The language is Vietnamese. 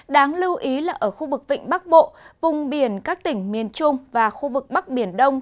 đáng lưu ý là ở khu vực vịnh bắc bộ vùng biển các tỉnh miền trung và khu vực bắc biển đông